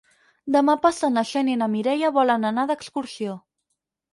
Demà passat na Xènia i na Mireia volen anar d'excursió.